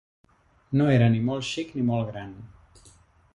No era ni molt xic, ni molt gran